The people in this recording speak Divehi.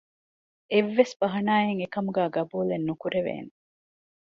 އެއްވެސް ބަހަނާއެއް އެކަމުގައި ޤަބޫލެއް ނުކުރެވޭނެ